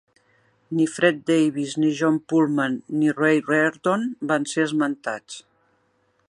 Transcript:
Ni Fred Davis ni John Pulman ni Ray Reardon van ser esmentats.